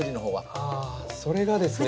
ああそれがですね。